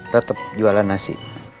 tetep jualan nasi